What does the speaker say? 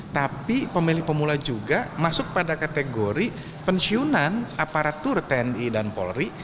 tapi pemilih pemula juga masuk pada kategori pensiunan aparatur tni dan polri